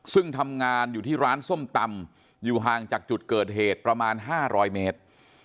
ซึ่งทำงานอยู่ที่ร้านส้มตำอยู่ห่างจากจุดเกิดเหตุประมาณ๕๐๐เมตร